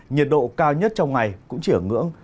nhiệt độ cao nhất trong ngày cũng chỉ ở ngưỡng